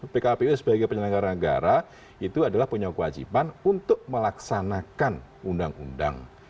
pkpu sebagai penyelenggara negara itu adalah punya kewajiban untuk melaksanakan undang undang